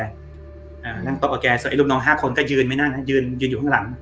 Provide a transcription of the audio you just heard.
อ่านั่งโต๊ะกับแกส่วนไอ้ลูกน้อง๕คนก็ยืนไม่น่านะยืนอยู่ข้างหลัง